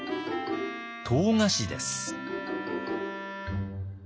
唐菓子です。